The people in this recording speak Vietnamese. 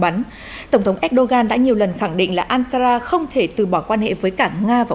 bắn tổng thống erdogan đã nhiều lần khẳng định là ankara không thể từ bỏ quan hệ với cả nga và